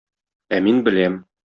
Ә мин беләм.